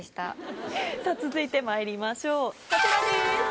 続いてまいりましょうこちらです。